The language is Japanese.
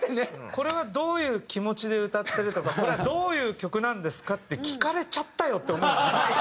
「これはどういう気持ちで歌ってる？」とか「これはどういう曲なんですか？」って聞かれちゃったよって思う。